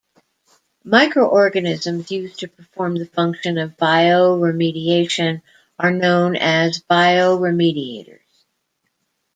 Microorganisms used to perform the function of bioremediation are known as bioremediators.